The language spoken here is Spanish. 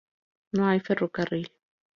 No hay ferrocarril.